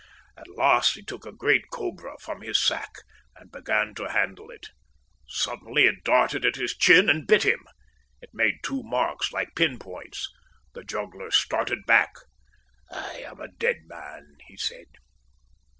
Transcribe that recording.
At last he took a great cobra from his sack and began to handle it. Suddenly it darted at his chin and bit him. It made two marks like pin points. The juggler started back. "'I am a dead man,'" he said.